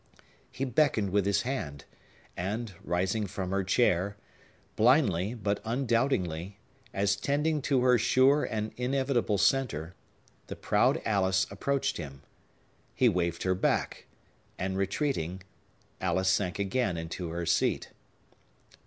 He beckoned with his hand, and, rising from her chair,—blindly, but undoubtingly, as tending to her sure and inevitable centre,—the proud Alice approached him. He waved her back, and, retreating, Alice sank again into her seat.